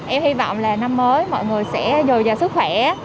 em hy vọng là năm mới mọi người sẽ dồi dào sức khỏe